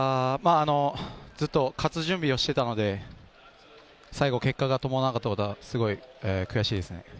ずっと勝つ準備をしていたので、最後結果が伴わなかったことはすごい悔しいです。